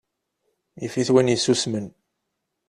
Yif-it win yessusmen.